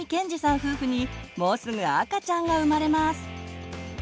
夫婦にもうすぐ赤ちゃんが生まれます。